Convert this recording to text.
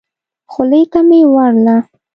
خولې ته مي وړله .